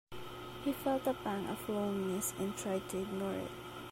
He felt a pang of loneliness and tried to ignore it.